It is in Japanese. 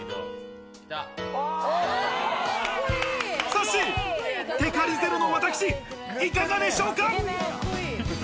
さっしー、テカりゼロの私、いかがでしょうか？